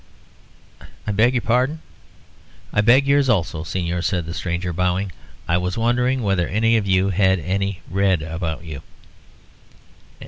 "I beg your pardon?" "I beg yours also, Señor," said the stranger, bowing. "I was wondering whether any of you had any red about you."